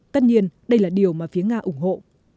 tất nhiên đây là điều mà phía nga ủng hộ